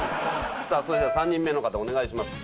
さあそれでは３人目の方お願いします。